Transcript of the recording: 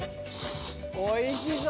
おいしそう。